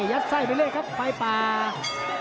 ยัดไส้ไปเลยครับไฟปาก